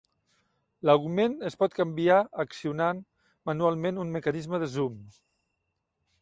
L'augment es pot canviar accionant manualment un mecanisme de zoom.